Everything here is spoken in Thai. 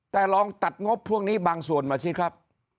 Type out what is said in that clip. แต่ลองตัดงบพวกนี้บางส่วนมาสิครับ